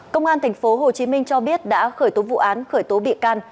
công an thành phố hồ chí minh cho biết đã khởi tố vụ án khởi tố bị can